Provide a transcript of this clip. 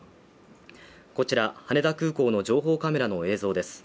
こちら、羽田空港の情報カメラの映像です。